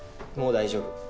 もう大丈夫